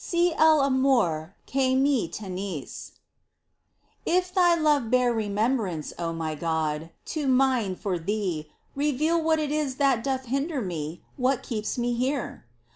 Si el amor que me tenéis. If Thy love bear Resemblance, my God, to mine for Thee, Reveal what is it that doth hinder me, What keeps me here